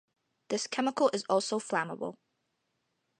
This chemical is also flammable.